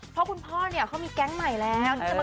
เพราะคุณพ่อเนี่ยเขามีแก๊งใหม่แล้ว